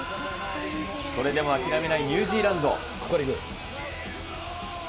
それでも諦めないニュージーランド。